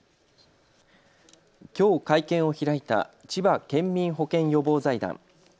きょう会見を開いたちば県民保健予防財団。